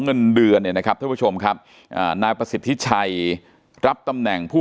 เงินเดือนเนี่ยนะครับท่านผู้ชมครับนายประสิทธิชัยรับตำแหน่งผู้